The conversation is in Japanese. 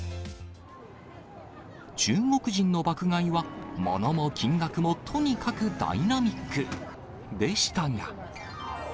中国人の爆買いは、物も金額もとにかくダイナミックでしたが。